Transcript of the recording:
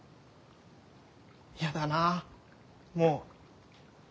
嫌だなもう。